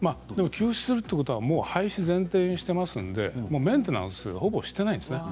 休止するということは廃止を前提にしていますのでメンテナンスをほぼしていないんですね。